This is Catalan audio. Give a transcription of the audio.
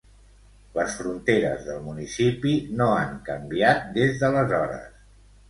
Les fronteres del municipi no han canviat des d'aleshores.